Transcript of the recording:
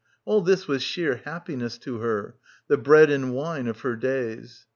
All this was sheer happiness to her, the bread and wine of her days.